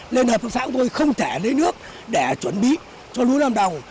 lên hợp hợp xã của tôi không thể lấy nước để chuẩn bị cho lúa làm đồng